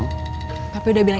gimana mau diancam